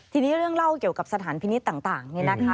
ทีนี้เรื่องเล่าเกี่ยวกับสถานพินิษฐ์ต่างนี่นะคะ